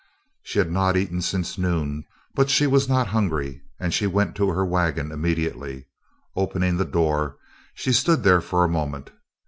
She had not eaten since noon, but she was not hungry, and she went to her wagon immediately. Opening the door she stood there for a moment.